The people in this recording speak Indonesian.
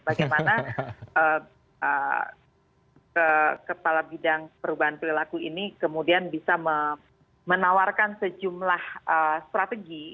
bagaimana kepala bidang perubahan perilaku ini kemudian bisa menawarkan sejumlah strategi